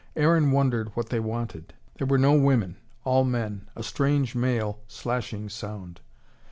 Aaron wondered what they wanted. There were no women all men a strange male, slashing sound.